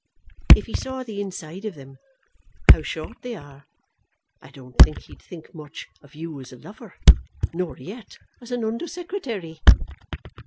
If he saw the inside of them, how short they are, I don't think he'd think much of you as a lover nor yet as an Under Secretary.